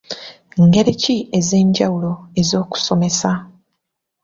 Ngeri ki ez'enjawulo ez'okusomesa?